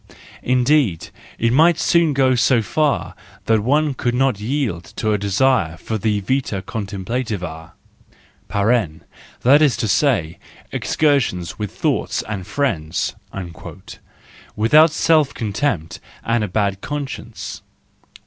Indeed, it might soon go so far that one could not yield to the desire for the vita contemplativa (that is to say, excursions with thoughts and friends), without self¬ contempt and a bad conscience.